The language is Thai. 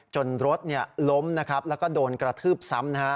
รถล้มนะครับแล้วก็โดนกระทืบซ้ำนะฮะ